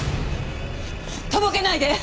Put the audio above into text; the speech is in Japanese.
とぼけないで！